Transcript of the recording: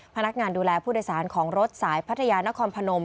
พนักงานดูแลผู้โดยสารของรถสายพัทยานครพนม